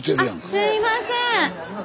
あすいません。